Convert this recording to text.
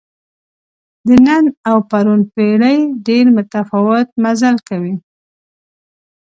د نن او پرون پېړۍ ډېر متفاوت مزل کوي.